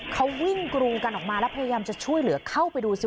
เขาวิ่งกรูกันออกมาแล้วพยายามจะช่วยเหลือเข้าไปดูสิ